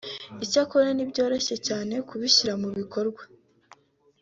icyakora ntibyoroha cyane kubishyira mu bikorwa